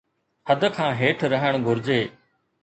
حد کان هيٺ رهڻ گهرجي